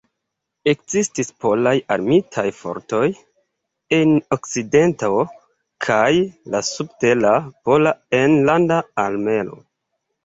Ekzistis Polaj Armitaj Fortoj en Okcidento kaj la subtera Pola Enlanda Armeo.